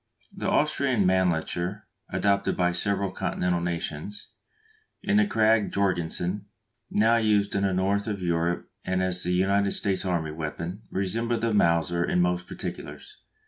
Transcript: The Austrian Mannlicher, adopted by several continental nations, and the Krag Jorgensen now used in the north of Europe and as the United States army weapon, resemble the Mauser in most particulars.